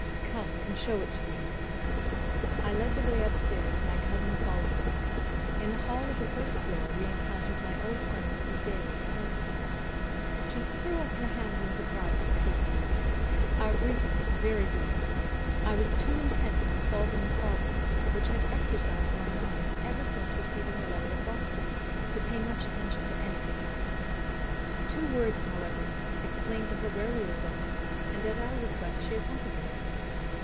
"Come and show it to me." I led the way upstairs, my cousin following. In the hall on the first floor we encountered my old friend Mrs. Daly, the housekeeper. She threw up her hands in surprise at seeing me. Our greeting was very brief; I was too intent on solving the problem which had exercised my mind ever since receiving the letter at Boston, to pay much attention to anything else. Two words, however, explained to her where we were going, and at our request she accompanied us.